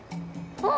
あっ！